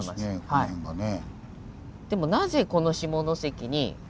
この辺がね。